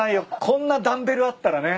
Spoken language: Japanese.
こんなダンベルあったらね。